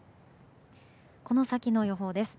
この先の予報です。